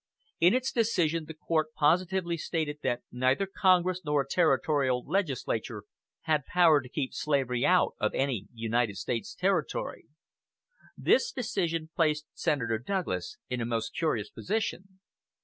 In its decision the court positively stated that neither Congress nor a territorial legislature had power to keep slavery out of any United States Territory. This decision placed Senator Douglas in a most curious position.